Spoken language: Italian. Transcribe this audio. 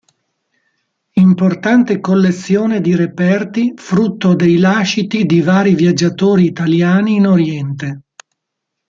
Importante collezione di reperti, frutto dei lasciti di vari viaggiatori italiani in Oriente.